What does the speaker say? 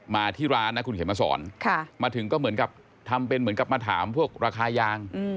มาที่ร้านนะคุณเขียนมาสอนมาถึงก็เหมือนกับทำเป็นเหมือนกับมาถามพวกราคายาง